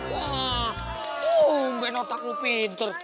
wah main otak lo pinter